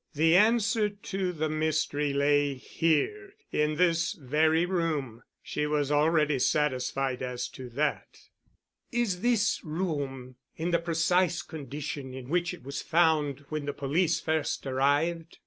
The answer to the mystery lay here—in this very room. She was already satisfied as to that. "Is this room in the precise condition in which it was found when the police first arrived?"